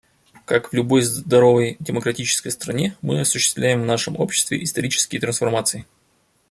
Как в любой здоровой демократической стране, мы осуществляем в нашем обществе исторические трансформации.